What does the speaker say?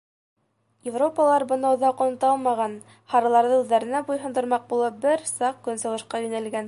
Европалар быны оҙаҡ онота алмаған: һарыларҙы үҙҙәренә буйһондормаҡ булып, бер саҡ көнсығышҡа йүнәлгән.